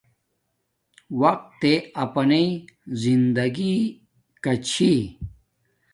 وقت تݵ اپانݵ زندگی کا چھی